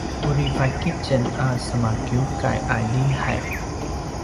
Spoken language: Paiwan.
uri vaik itjen a semakiukay a lihay